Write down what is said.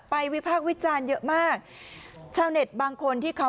วิพากษ์วิจารณ์เยอะมากชาวเน็ตบางคนที่เขา